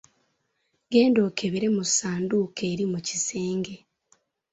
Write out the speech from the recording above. Genda okebera mu sanduuke eri mu kisenge.